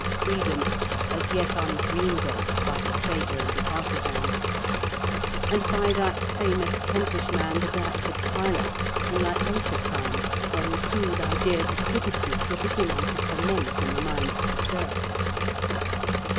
47 of freedom, as yet undreamed of by the trader and the artisan, and by that famous Kentish man, the Dartford tiler, in that later time when crude ideas of liberty were beginning to ferment in the minds of the serfs.